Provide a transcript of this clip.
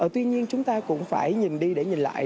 tuy nhiên chúng ta cũng phải nhìn đi để nhìn lại